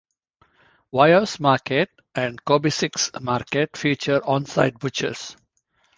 Viau's Market and Kobosic's Market feature on-site butchers.